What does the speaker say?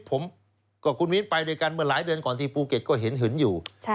ผมกับคุณมิ้นไปด้วยกันเมื่อหลายเดือนก่อนที่ภูเก็ตก็เห็นหึงอยู่